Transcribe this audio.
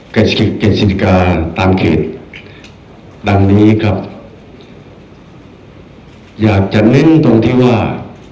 กิจกฤษฎิกาตามเขตดังนี้ครับอยากจะเน้นตรงที่ว่า